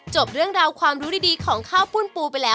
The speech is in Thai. เรื่องราวความรู้ดีของข้าวปุ้นปูไปแล้ว